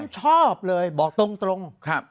ชอบเลยบอกตรง